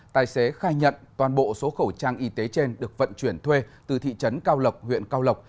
tài xế khai nhận toàn bộ số khẩu trang y tế trên được vận chuyển thuê từ thị trấn cao lộc huyện cao lộc